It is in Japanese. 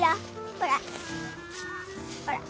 ほら。